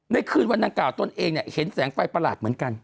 คืนวันนางกล่าวตนเองเนี่ยเห็นแสงไฟประหลาดเหมือนกัน